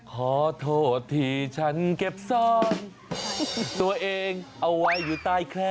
ขอโทษที่ฉันเก็บซ่อนตัวเองเอาไว้อยู่ใต้แคล่